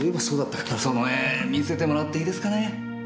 その絵見せてもらっていいですかね？